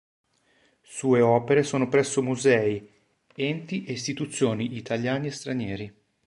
Sue opere sono presso musei, enti e istituzioni italiani e stranieri.